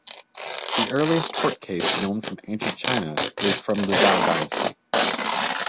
The earliest "tort case" known from Ancient China is from the Zhou dynasty.